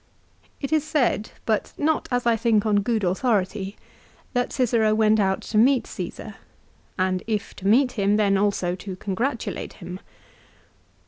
It is said, but not as I think on good authority, that Cicero went out to meet Csesar, and if to. meet him, then also to C' ngratulate him.